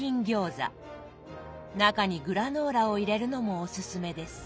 中にグラノーラを入れるのもおすすめです。